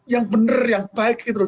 yang bener yang baik gitu loh